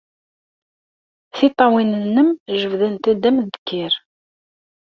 Tiṭṭawin-nnem jebbdent-d am udkir.